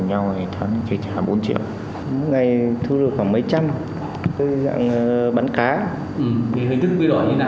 thì hình thức quy đổi như thế nào